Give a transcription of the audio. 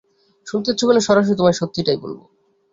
শুনতে ইচ্ছুক হলে, সরাসরি তোমায় সত্যিটাই বলবো।